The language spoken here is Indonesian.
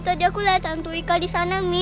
tadi aku lihat hantu ika di sana mi